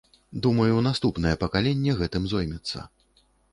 Думаю, наступнае пакаленне гэтым зоймецца.